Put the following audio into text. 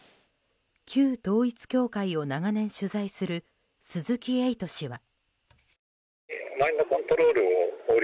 旧統一教会を長年取材する鈴木エイト氏は。